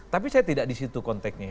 tapi saya tidak di situ konteknya